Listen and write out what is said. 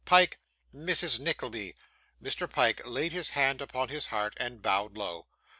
Pyke Mrs. Nickleby.' Mr. Pyke laid his hand upon his heart, and bowed low.